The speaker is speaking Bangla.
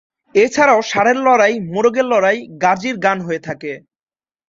এছাড়াও ষাঁড়ের লড়াই, মোরগের লড়াই, গাজীর গান হয়ে থাকে।